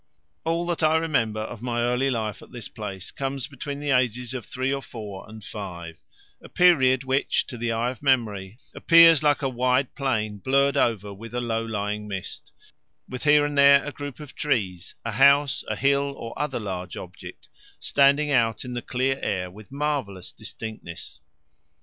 All that I remember of my early life at this place comes between the ages of three or four and five; a period which, to the eye of memory, appears like a wide plain blurred over with a low lying mist, with here and there a group of trees, a house, a hill, or other large object, standing out in the clear air with marvellous distinctness.